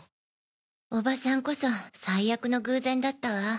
おばさんこそ最悪の偶然だったわ。